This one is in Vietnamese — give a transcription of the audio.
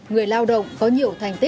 người lao động có nhiều thành viên